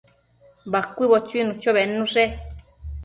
Bacuëbo chuinu bednushe